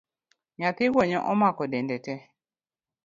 Nyathi gwonyo omaki dende tee